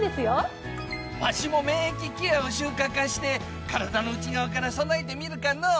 わしも免疫ケアを習慣化して体の内側から備えてみるかのう。